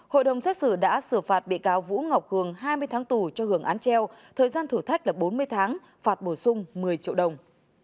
hội đồng xét xử đã xử phạt bị cáo vũ ngọc hường hai mươi tháng tù cho hưởng án treo thời gian thử thách là bốn mươi tháng phạt bổ sung một mươi triệu đồng